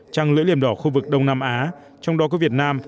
trăng lưỡi liềm đỏ khu vực đông nam á trong đó có việt nam